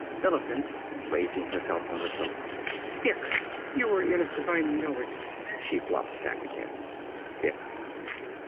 ~Millicent~ (raising herself on the sofa). Dick, you were innocent I know it. (She flops back again.) ~Dick.